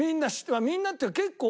みんなっていうか結構。